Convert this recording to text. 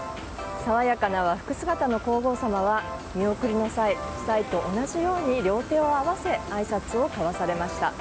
爽やかな和服姿の皇后さまは見送りの際夫妻と同じように両手を合わせあいさつを交わされました。